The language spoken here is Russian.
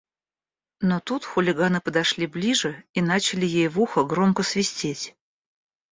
Но тут хулиганы подошли ближе и начали ей в ухо громко свистеть.